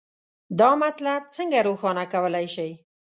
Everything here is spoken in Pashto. دا مطلب څنګه روښانه کولی شئ؟